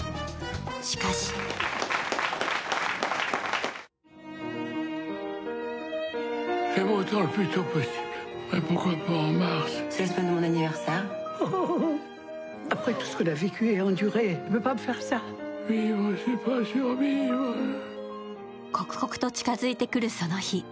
しかし刻々と近づいてくるその日。